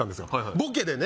ボケでね